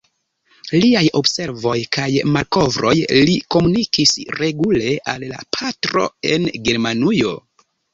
Liaj observoj kaj malkovroj li komunikis regule al la patro en Germanujo.